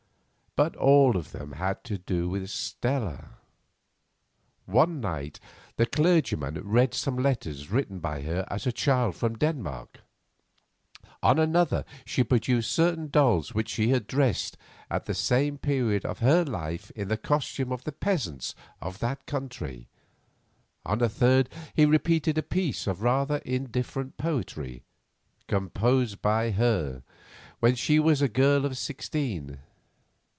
But all of them had to do with Stella. One night the clergyman read some letters written by her as a child from Denmark. On another he produced certain dolls which she had dressed at the same period of her life in the costume of the peasants of that country. On a third he repeated a piece of rather indifferent poetry composed by her when she was a girl of sixteen.